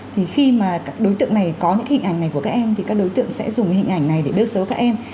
thì khi mà đối tượng này có những hình ảnh này của các em thì các đối tượng sẽ dùng hình ảnh này để biêu xấu các em